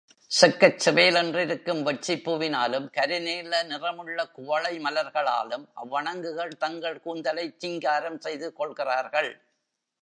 செக்கச் செவேலென்றிருக்கும் வெட்சிப் பூவினாலும் கருநீல நிறமுள்ள குவளை மலர்களாலும் அவ்வணங்குகள் தங்கள் கூந்தலைச் சிங்காரம் செய்து கொள்கிறார்கள்.